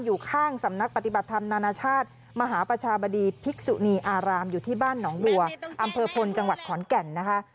อยู่ข้างสำนักปฏิบัติธรรมนานาชาติมหาประชาบดีภิกษุนีอารามอยู่ที่บ้านหนองบัวอำเภอพลจังหวัดขอนแก่นนะคะ